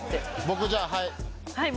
僕じゃあはい。